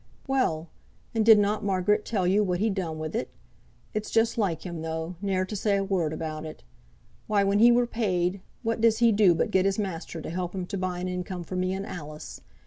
"Well! and did not Margaret tell yo what he'd done wi' it? It's just like him though, ne'er to say a word about it. Why, when it were paid what does he do, but get his master to help him to buy an income for me and Alice.